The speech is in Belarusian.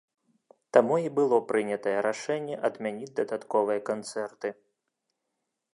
Таму і было прынятае рашэнне адмяніць дадатковыя канцэрты.